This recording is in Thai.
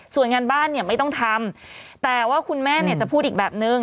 ส่วนงานบ้านเนี่ยไม่ต้องทำแต่ว่าคุณแม่เนี่ยจะพูดอีกแบบนึง